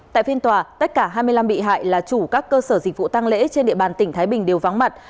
tại phiên tòa tất cả hai mươi năm bị hại là chủ các cơ sở dịch vụ tăng lễ trên địa bàn tỉnh thái bình đều vắng mặt